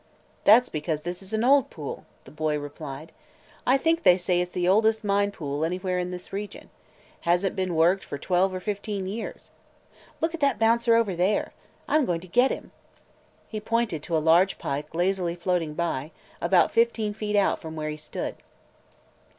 "That 's because this is an old pool," the boy replied. "I think they say it 's the oldest mine pool anywhere in this region. Has n't been worked for twelve or fifteen years. Look at that bouncer over there! I 'm going to get him!" He pointed to a large pike lazily floating by, about fifteen feet out from where he stood.